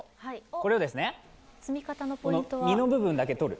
これを、実の部分だけとる。